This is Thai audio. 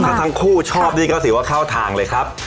แต่ทั้งคู่ชอบดีกว่าเข้าทางเลยครับ